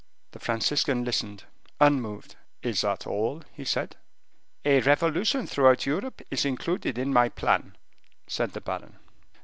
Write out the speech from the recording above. The Franciscan listened, unmoved. "Is that all?" he said. "A revolution throughout Europe is included in my plan," said the baron.